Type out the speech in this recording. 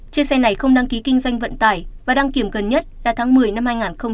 chiếc xe này không đăng ký kinh doanh vận tải và đăng kiểm gần nhất là tháng một mươi năm hai nghìn một mươi chín